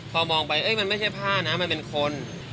พอมองไปไม่ใช่ผ้าน่ะเป็นคน